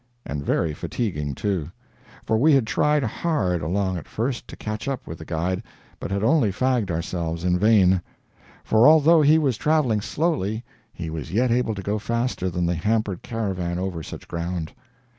And very fatiguing, too; for we had tried hard, along at first, to catch up with the guide, but had only fagged ourselves, in vain; for although he was traveling slowly he was yet able to go faster than the hampered caravan over such ground.